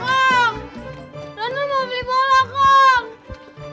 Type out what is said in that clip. kang renan mau beli bola kang